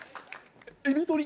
エビ反り。